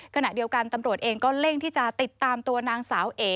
ขณะเดียวกันตำรวจเองก็เร่งที่จะติดตามตัวนางสาวเอ๋